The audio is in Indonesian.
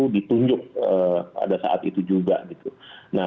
ditunjuk pada saat itu juga gitu